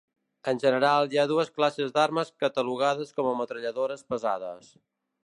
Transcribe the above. En general hi ha dues classes d'armes catalogades com a metralladores pesades.